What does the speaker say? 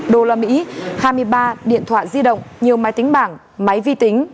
hai bảy trăm linh đô la mỹ hai mươi ba điện thoại di động nhiều máy tính bảng máy vi tính